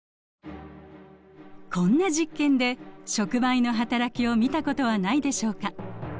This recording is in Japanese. こんな実験で触媒のはたらきを見たことはないでしょうか？